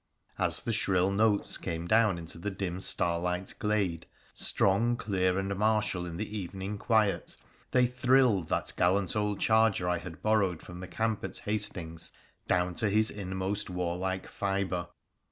As the shrill notes came down into the dim starlight glade, strong, clear, and martial in the evening quiet, they thrilled that gallant old charger I had borrowed from the camp at Hastings down to his inmost warlike fibre.